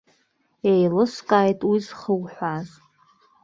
Еилыскааит уи зхуҳәааз.